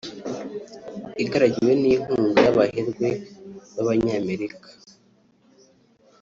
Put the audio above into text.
Igaragiwe n’inkunga y’abaherwe b’Abanyamerika